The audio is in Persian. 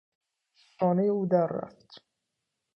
شانهی او در رفت.